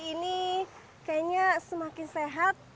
ini kayaknya semakin sehat